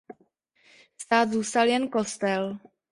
Stát zůstal jen kostel.